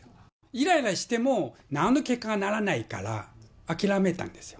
いらいらしても、なんの結果にもならないから、諦めたんですよ。